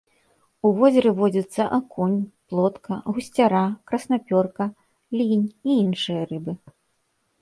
У возеры водзяцца акунь, плотка, гусцяра, краснапёрка, лінь і іншыя рыбы.